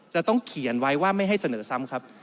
จะต้องเขียนไว้ว่าไม่ให้เสนอซ้ำครับ